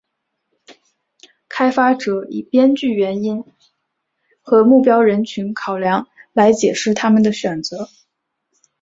开发者以编剧原因和目标人群考量来解释他们的选择。